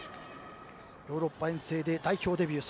ヨーロッパ遠征で代表デビュー。